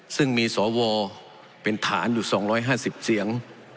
ซึ่งมีสวเป็นฐานอยู่๒๕๐เสียง